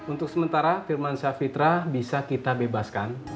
untuk sementara firman syah fitra bisa kita bebaskan